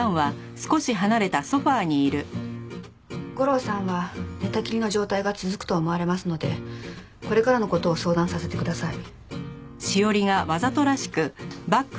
吾良さんは寝たきりの状態が続くと思われますのでこれからの事を相談させてください。